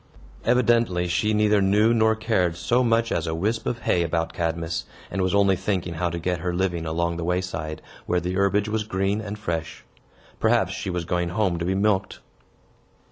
Evidently she neither knew nor cared so much as a wisp of hay about Cadmus, and was only thinking how to get her living along the wayside, where the herbage was green and fresh. Perhaps she was going home to be milked.